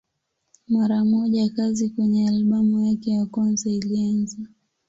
Mara moja kazi kwenye albamu yake ya kwanza ilianza.